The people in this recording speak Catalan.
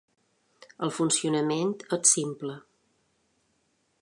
El funcionament és simple.